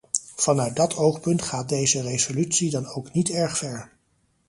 Vanuit dat oogpunt gaat deze resolutie dan ook niet erg ver.